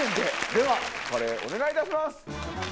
ではカレーお願いいたします。